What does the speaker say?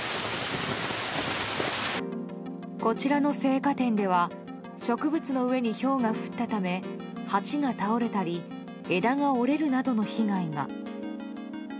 こちらの生花店では植物の上にひょうが降ったため鉢が倒れたり枝が折れるなどの被害が。